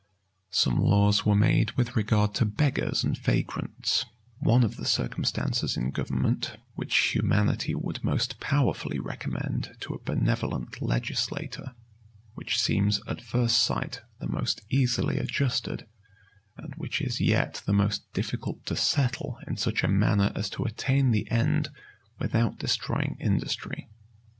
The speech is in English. Some laws were made with regard to beggars and vagrants;[v] one of the circumstances in government, which humanity would most powerfully recommend to a benevolent legislator; which seems, at first sight, the most easily adjusted; and which is yet the most difficult to settle in such a manner as to attain the end without destroying industry.